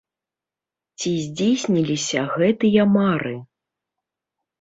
Ці здзейсніліся гэтыя мары?